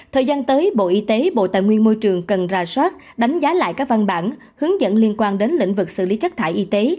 thời gian tới bộ y tế bộ tài nguyên môi trường cần ra soát đánh giá lại các văn bản hướng dẫn liên quan đến lĩnh vực xử lý chất thải y tế